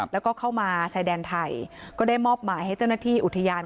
แล้วก็เข้ามาชายแดนไทยก็ได้มอบหมายให้เจ้าหน้าที่อุทยาน